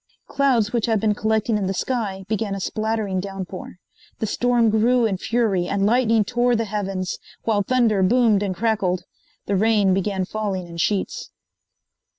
Clouds which had been collecting in the sky began a splattering downpour. The storm grew in fury and lightning tore the heavens, while thunder boomed and crackled. The rain began falling in sheets.